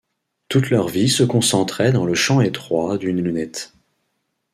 Toute leur vie se concentrait dans le champ étroit d’une lunette!